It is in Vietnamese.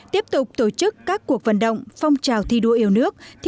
tiếp tục tổ chức các cuộc vận động phong trào thi đua yêu nước